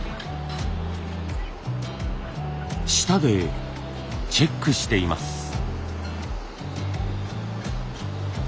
舌でチェックしています。